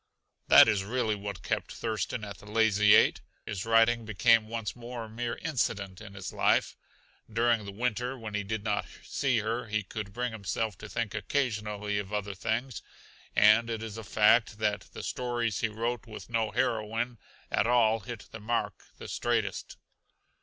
That is really what kept Thurston at the Lazy Eight. His writing became once more a mere incident in his life. During the winter, when he did not see her, he could bring himself to think occasionally of other things; and it is a fact that the stories he wrote with no heroine at all hit the mark the straightest.